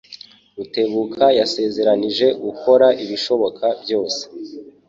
Rutebuka yasezeranije gukora ibishoboka byose